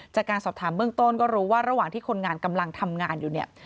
จากการสอบถามเบื้องต้นก็รู้ว่าระหว่างที่คนงานกำลังทำงานอยู่เนี่ย